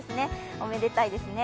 おめでたいですね。